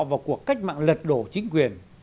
vào cuộc cách mạng lật đổ chính quyền